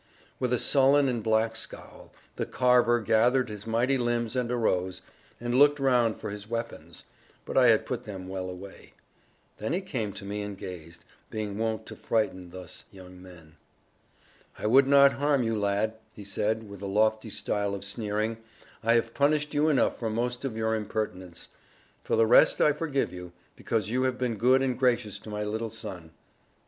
With a sullen and black scowl, the Carver gathered his mighty limbs and arose, and looked round for his weapons; but I had put them well away. Then he came to me and gazed, being wont to frighten thus young men. "I would not harm you, lad," he said, with a lofty style of sneering: "I have punished you enough for most of your impertinence. For the rest I forgive you, because you have been good and gracious to my little son.